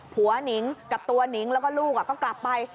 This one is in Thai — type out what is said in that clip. หนิงกับตัวหนิงแล้วก็ลูกก็กลับไป